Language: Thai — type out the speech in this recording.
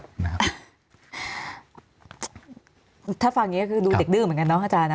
ถ้าฟังอย่างนี้ก็คือดูเด็กดื้อเหมือนกันเนาะอาจารย์นะ